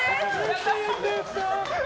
やったー！